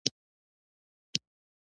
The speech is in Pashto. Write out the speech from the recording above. غریب شه، خو اولاد باندې دې تعلیم وکړه!